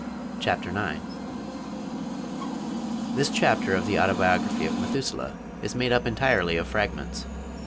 CHAPTER IX (This Chapter of the Autobiography of Methuselah is made up entirely of fragments.